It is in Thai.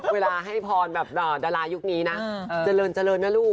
เวลาให้พรแบบดารายุคนี้นะเจริญเจริญนะลูก